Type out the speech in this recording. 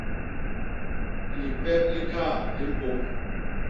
Lipep li kaat li mpôp.